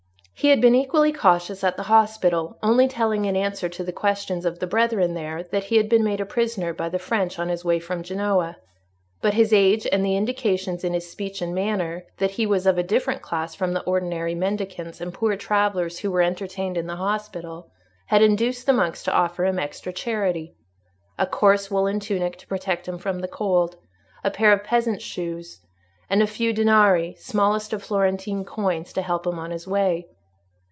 He had been equally cautious at the hospital, only telling, in answer to the questions of the brethren there, that he had been made a prisoner by the French on his way from Genoa. But his age, and the indications in his speech and manner that he was of a different class from the ordinary mendicants and poor travellers who were entertained in the hospital, had induced the monks to offer him extra charity: a coarse woollen tunic to protect him from the cold, a pair of peasant's shoes, and a few danari, smallest of Florentine coins, to help him on his way.